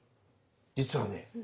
実はね